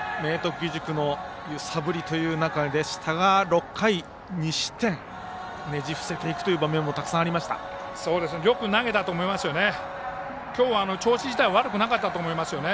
義塾の揺さぶりという中でしたが６回２失点とねじ伏せていくという場面もよく投げたと思いますね。